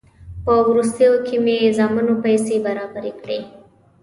په وروستیو کې مې زامنو پیسې برابرې کړې.